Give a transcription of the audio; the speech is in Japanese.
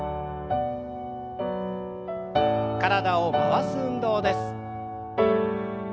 体を回す運動です。